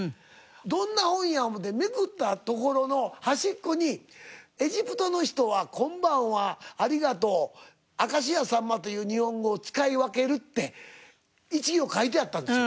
「どんな本や？」思ってめくったところの端っこに「エジプトの人はこんばんはありがとう明石家さんまという日本語を使い分ける」って１行書いてあったんですよ。